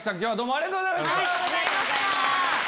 ありがとうございます。